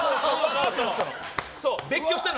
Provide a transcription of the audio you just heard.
別居したの？